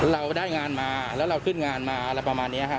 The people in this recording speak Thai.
เราได้งานมาแล้วเราขึ้นงานมาอะไรประมาณนี้ฮะ